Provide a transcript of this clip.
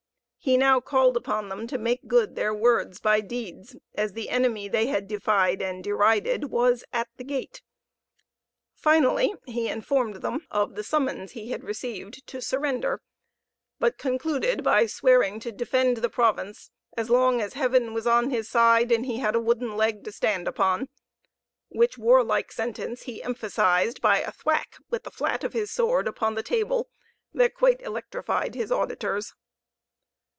He now called upon them to make good their words by deeds, as the enemy they had defied and derided was at the gate. Finally, he informed them of the summons he had received to surrender, but concluded by swearing to defend the province as long as Heaven was on his side, and he had a wooden leg to stand upon; which warlike sentence he emphasized by a thwack with the flat of his sword upon the table that quite electrified his auditors.